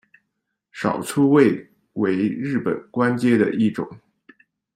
少初位为日本官阶的一种。